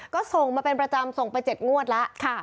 ก็ส่งมาเป็นประจำส่งไป๗งวดแล้ว